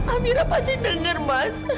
amira pasti denger mas